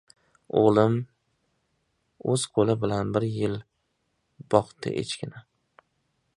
— O‘g‘lim o‘z qo‘li bilan bir yil boqdi echkini.